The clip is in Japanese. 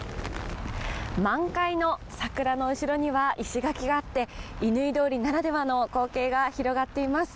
満開の桜の後ろには石垣があって、乾通りならではの光景が広がっています。